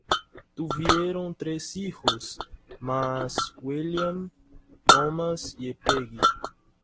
Tuvieron tres hijos más: William, Thomas y Peggy.